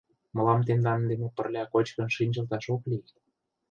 — Мылам тендан дене пырля кочкын шинчылташ ок лий.